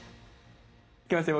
いきますよ